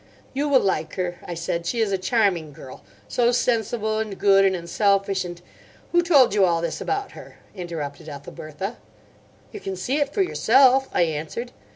"You will like her," I said. "She is a charming girl—so sensible, and good, and unselfish, and—" "Who told you all this about her?" interrupted Ethelbertha. "You can see it for yourself," I answered.